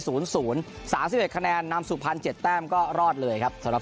สาร๑๑คะแนนนำสุพรรณ๗แต้มก็รอดเลยครับ